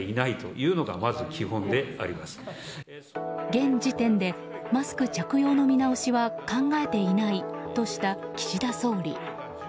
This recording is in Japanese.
現時点でマスク着用の見直しは考えていないとした岸田総理。